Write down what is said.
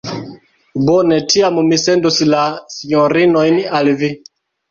Bone, tiam mi sendos la sinjorinojn al vi.